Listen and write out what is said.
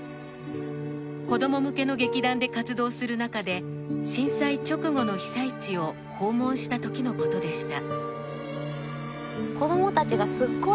子ども向けの劇団で活動するなかで震災直後の被災地を訪問したときのことでした。